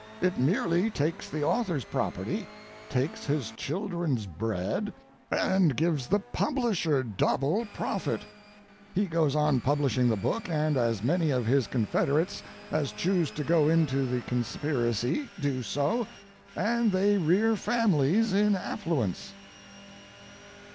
It merely takes the author's property, takes his children's bread, and gives the publisher double profit. He goes on publishing the book and as many of his confederates as choose to go into the conspiracy do so, and they rear families in affluence.